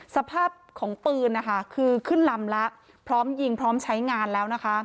สภาพของปืนนะคะคือขึ้นลำแล้วพร้อมยิงพร้อมใช้งานแล้วนะคะ